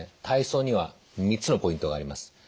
体操には３つのポイントがあります。